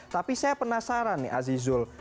tapi saya penasaran nih azizul